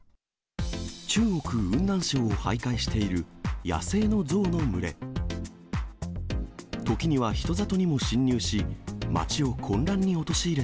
中国・雲南省をはいかいしている野生の象の群れ。